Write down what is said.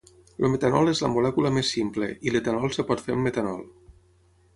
El metanol és la molècula més simple, i l'etanol es pot fer amb metanol.